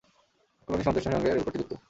কল্যাণী সীমান্ত স্টেশনের সঙ্গেও রেলপথটি যুক্ত।